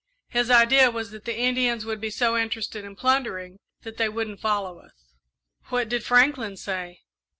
His idea was that the Indians would be so interested in plundering that they wouldn't follow us." "What did Franklin say?"